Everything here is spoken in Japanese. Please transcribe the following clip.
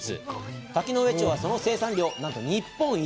滝上町は、その生産量、日本一。